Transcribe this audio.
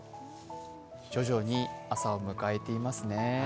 徐々に朝を迎えていますね。